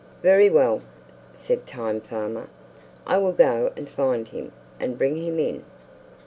"Very well," said time farmer; "I will go and find him, and bring him in."